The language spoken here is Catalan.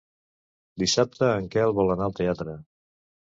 Dissabte en Quel vol anar al teatre.